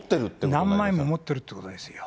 何枚も持ってるってことですよ。